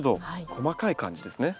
細かい感じですね。